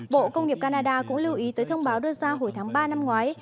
bộ công nghiệp canada cũng lưu ý tới thông báo đưa ra hồi tháng ba năm ngoái